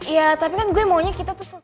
ya tapi kan gue maunya kita tuh